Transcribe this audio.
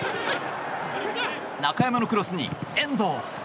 中山のクロスに、遠藤！